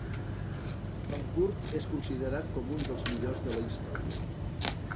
El curt és considerat com un dels millors de la història.